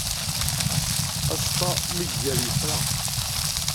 Aẓeṭṭa mi iger yefra.